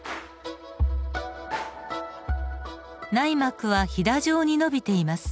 内膜はひだ状に伸びています。